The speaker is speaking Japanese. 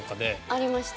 ありました。